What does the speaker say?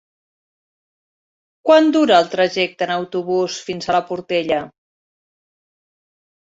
Quant dura el trajecte en autobús fins a la Portella?